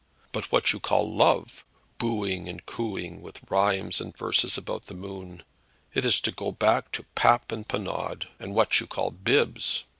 But what you call love, booing and cooing, with rhymes and verses about de moon, it is to go back to pap and panade, and what you call bibs.